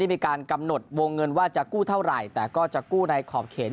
มีการกำหนดวงเงินว่าจะกู้เท่าไหร่แต่ก็จะกู้ในขอบเข็น